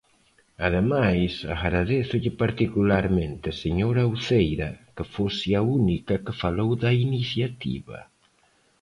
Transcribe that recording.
Ademais, agradézolle particularmente, señora Uceira, que fose a única que falou da iniciativa.